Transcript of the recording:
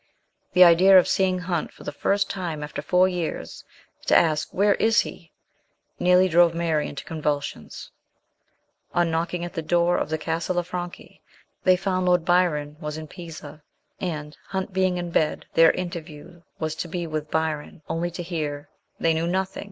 The idea of seeing Hunt for the first time after four years, to ask " Where is he ?" nearly drove Mary into convulsions. On knocking at the door of LAST MOUTHS WITH SHELLEY. 171 the Casa Lanfranchi they found Lord Byron was in Pisa and, Hunt being in bed, their interview was to be with Byron, only to hear, " They knew nothing.